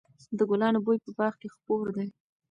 د ګلانو بوی په باغ کې خپور دی.